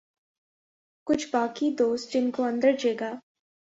کچھ باقی دوست جن کو اندر جگہ